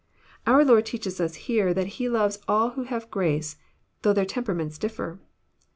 Our Lord teaches us here that He loves all who have grace, though their temperaments differ.